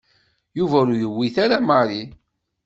Yuba ur yewwit ara Mary.